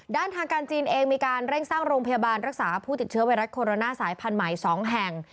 ด้านทางการจีนเองมีการเร่งสร้างโรงพยาบาลรักษาผู้ติดเชื้อไวรัสโคโรนาสายพันธุ์ใหม่๒แห่ง